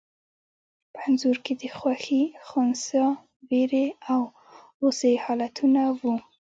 په انځور کې د خوښي، خنثی، وېرې او غوسې حالتونه وو.